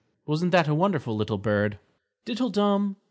Wasn't that a wonderful little bird? _Diddle Dum!